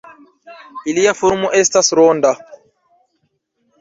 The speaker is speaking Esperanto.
Ilia formo estas ronda.